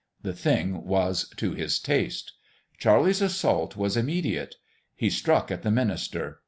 The thing was to his taste. Charlie's assault was immediate. He struck at the minister.